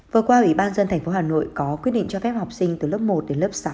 vừa qua ủy ban dân thành phố hà nội có quyết định cho phép học sinh từ lớp một đến lớp sáu